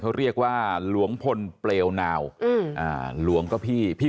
เขาเรียกว่าหลวงพลเปลวก็พี่พี่